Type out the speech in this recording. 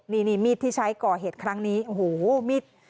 นี่มีดที่ใช้ก่อเหตุครั้งนี้โอ้โหมีด